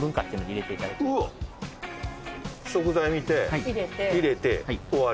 食材見て入れて終わり？